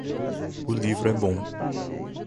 O livro é bom.